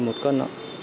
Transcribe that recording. một mươi năm một cân